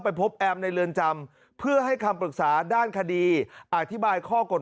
พบแอมในเรือนจำเพื่อให้คำปรึกษาด้านคดีอธิบายข้อกฎ